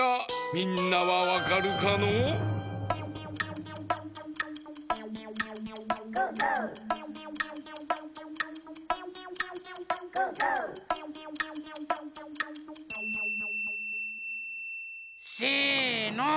みんなはわかるかのう？せの！